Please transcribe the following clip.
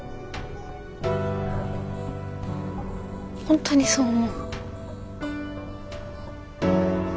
本当にそう思うの？